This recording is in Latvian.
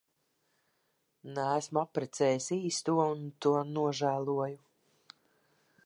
Neesmu apprecējis īsto un to nožēloju.